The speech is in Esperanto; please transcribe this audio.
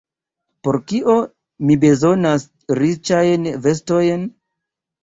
Por kio mi bezonas riĉajn vestojn?